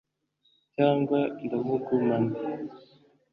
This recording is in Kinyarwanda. cyangwa ndamugumana